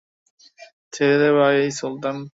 ছেড়ে দে ভাই, সুলতান!